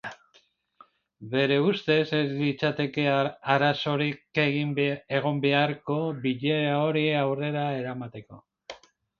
Bere ustez, ez litzateke arazorik egon beharko bilera hori aurrera eramateko.